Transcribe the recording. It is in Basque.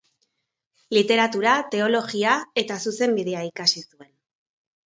Literatura, teologia eta zuzenbidea ikasi zuen.